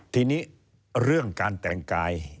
ทีนี้เรื่องการแต่งกาย